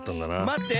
まって！